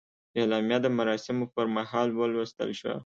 اعلامیه د مراسمو پر مهال ولوستل شوه.